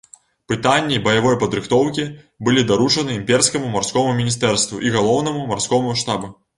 Пытанні баявой падрыхтоўкі былі даручаны імперскаму марскому міністэрству і галоўнаму марскому штабу.